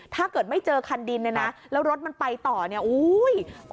ถ้าเกิดไม่เจอคันดินเนี่ยนะแล้วรถมันไปต่อเนี่ยอุ้ย